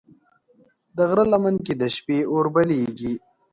د غره لمن کې د شپې اور بلېږي.